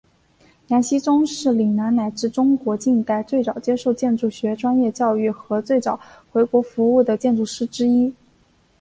杨锡宗是岭南乃至中国近代最早接受建筑学专业教育和最早回国服务的建筑师之一。